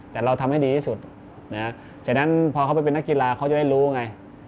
แต่เราทำให้ดีที่สุดฉะนั้นพอเขาไปเป็นนักกีฬาเขาจะได้รู้ไง